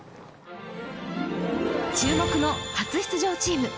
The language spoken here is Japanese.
注目の初出場チーム。